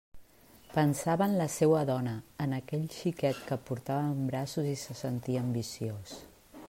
Pensava en la seua dona, en aquell xiquet que portava en braços, i se sentia ambiciós.